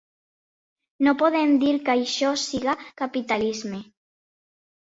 No podem dir que això sigui capitalisme.